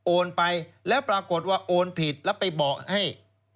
ไปแล้วปรากฏว่าโอนผิดแล้วไปบอกให้